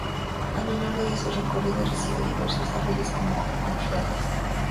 A lo largo de su recorrido, recibe diversos arroyos como afluentes.